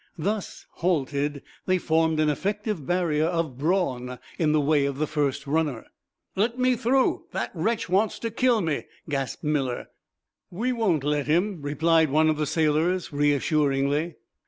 Thus, halted, they formed an effective barrier of brawn in the way of the first runner. "Let me through! That wretch wants to kill me!" gasped Miller. "We won't let him," replied one of the sailors, reassuringly.